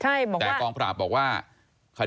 มีบอกว่าเป็นผู้การหรือรองผู้การไม่แน่ใจนะคะที่บอกเราในโทรศัพท์